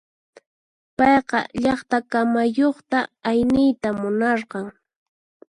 Payqa llaqta kamayuqta ayniyta munarqan.